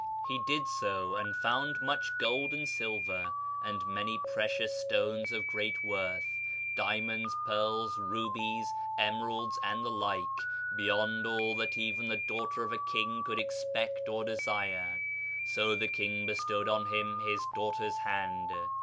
Lie did so, and found much gold and silver, and many precious stones of great w^orth — diamonds, pearls, rubies, emeralds, and the like, beyond all that even the daughter of a king could expect or desire. So the king bestowed on him his daughter's hand.